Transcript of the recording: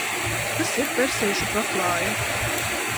Kas ir persiešu paklāji?